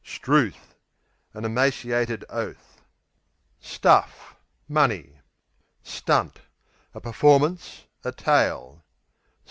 'Struth An emaciated oath. Stuff Money. Stunt A performance; a tale.